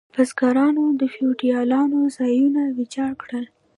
بزګرانو د فیوډالانو ځایونه ویجاړ کړل.